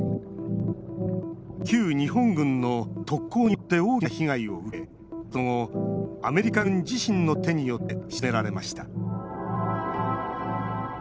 旧日本軍の特攻によって大きな被害を受けその後アメリカ軍自身の手によって沈められました。